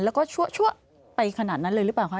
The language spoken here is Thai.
แล้วก็ชั่วไปขนาดนั้นเลยหรือเปล่าคะ